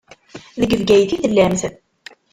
Deg Bgayet i tellamt.